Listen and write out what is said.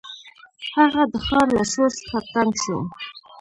هغه د ښار له شور څخه تنګ شو.